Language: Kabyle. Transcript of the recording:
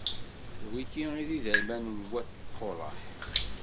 D wigi i d iderman n wat Quṛaḥ.